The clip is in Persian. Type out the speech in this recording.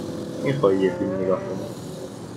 می خواهی یک فیلم نگاه کنی؟